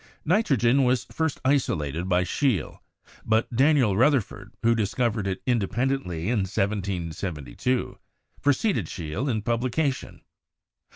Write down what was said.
Nitrogen was first isolated by Scheele, but Daniel Ruth erford, who discovered it independently in 1772, preceded Scheele in publication.